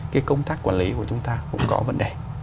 cái công tác quản lý của chúng ta cũng có vấn đề